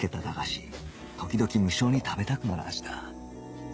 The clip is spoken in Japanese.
時々無性に食べたくなる味だ